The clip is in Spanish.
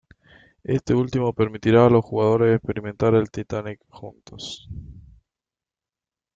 Este último permitirá a los jugadores experimentar el Titanic juntos.